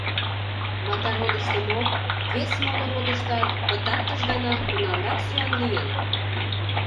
Матародышто мо, вес-моло «родыштат» пытартыш гана кунамрак сӱан лийын?